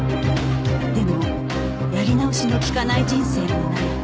でもやり直しの利かない人生もない